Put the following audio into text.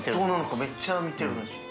めっちゃ見てるらしい。